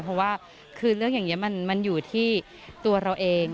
เพราะว่าคือเรื่องอย่างนี้มันอยู่ที่ตัวเราเอง